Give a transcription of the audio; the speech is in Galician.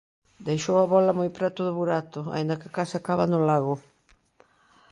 Deixou a bóla moi preto do burato, aínda que case acaba no lago.